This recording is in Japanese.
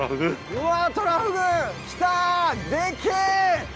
うわ！